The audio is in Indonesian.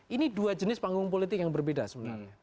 ini dua jenis panggung politik yang berbeda sebenarnya